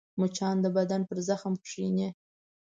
مچان د بدن پر زخم کښېني